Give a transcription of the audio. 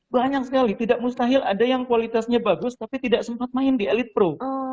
banyak sekali tidak mustahil ada yang kualitasnya bagus tapi tidak sempat main di elit pro